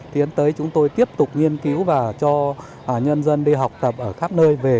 tiến tới chúng tôi tiếp tục nghiên cứu và cho nhân dân đi học tập ở khắp nơi về